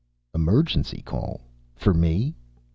"Emergency call? For me?